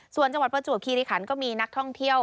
ส่วนจังหวัดประจวบคิริขันก็มีนักท่องเที่ยว